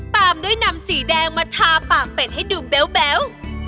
ตามด้วยนำสีแดงมาทาปากเป็ดให้ดูแบ๊ว